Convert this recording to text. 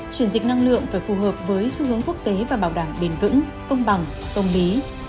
chuyển dịch năng lượng phải phù hợp với xu hướng quốc tế và bảo đảm bền vững công bằng công lý